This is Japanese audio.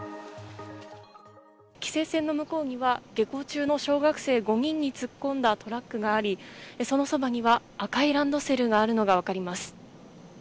規制線の向こうには下校中の小学生５人に突っ込んだトラックがあり、その側には赤いランドセルがあるのがわかります。